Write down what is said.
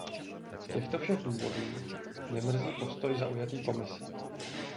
Z těchto všech důvodů mě mrzí postoj zaujatý Komisí.